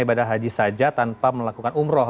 ibadah haji saja tanpa melakukan umroh